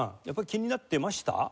やっぱり気になってました？